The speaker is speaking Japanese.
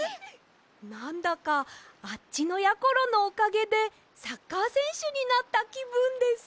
なんだかあっちのやころのおかげでサッカーせんしゅになったきぶんです。